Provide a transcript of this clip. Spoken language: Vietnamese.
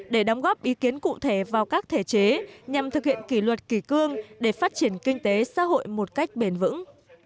để đóng góp ý kiến cụ thể vào các thể chế nhằm thực hiện kỷ luật kỳ cương để phát triển kinh tế xã hội một cách bền vững